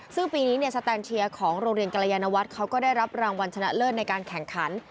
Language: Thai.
ซึ่งปีนี้เนี่ยสแตนเชียร์ของโรงเรียนกรยานวัฒน์เขาก็ได้รับรางวัลชนะเลิศในการแข่งขัน